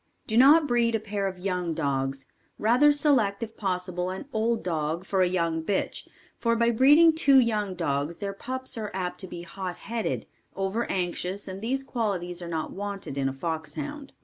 Do not breed a pair of young dogs, rather select if possible, an old dog for a young bitch for by breeding two young dogs their pups are apt to be hot headed, over anxious and these qualities are not wanted in a foxhound.